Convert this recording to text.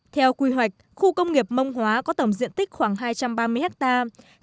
theo quy hoạch khu công nghiệp mông hóa có tổng diện tích khoảng hai trăm ba mươi hectare